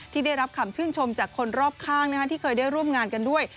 ได้รับคำชื่นชมจากคนรอบข้างที่เคยได้ร่วมงานกันด้วย